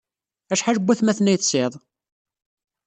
Acḥal n waytmaten ay tesɛid?